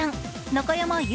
中山優